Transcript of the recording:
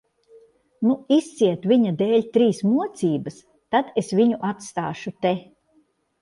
Nu, izciet viņa dēļ trīs mocības, tad es viņu atstāšu te.